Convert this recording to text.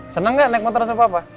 seneng gak naik motor sama bopak